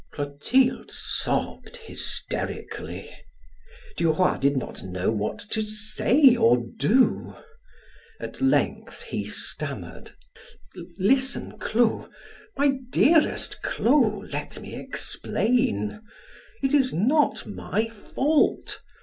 Clotilde sobbed hysterically. Duroy did not know what to say or do. At length he stammered: "Listen Clo my dearest Clo, let me explain. It is not my fault.